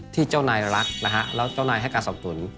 ที่เจ้านายรักแล้วเจ้านายให้การสรรพสุน